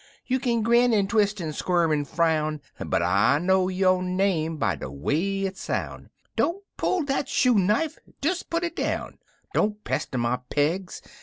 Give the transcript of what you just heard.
You kin grin an' twis' an' squirm an' frown, But I know yo' name by de way it soun' — Don't dull dat shoe knife I Des put it down I Don't pester my pegs